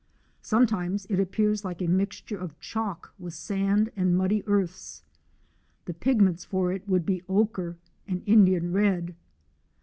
Sometimes it appears like a mixture of chalk with sand and muddy earths. The pigments for it would be ochre and Indian red.